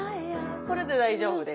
これで大丈夫です。